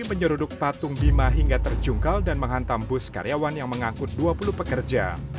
menyeruduk patung bima hingga terjungkal dan menghantam bus karyawan yang mengangkut dua puluh pekerja